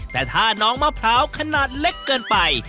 แต่ถ้าน้องมะพร้าวขนาดเล็กเกินไป